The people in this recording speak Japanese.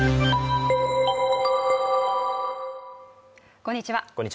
こんにちは